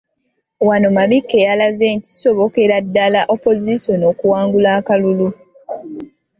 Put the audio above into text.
Wano Mabikke yalaze nti kisobokera ddala Opozisoni okuwangula akalulu.